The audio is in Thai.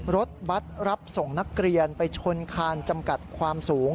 รถบัตรรับส่งนักเรียนไปชนคานจำกัดความสูง